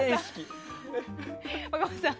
若林さん。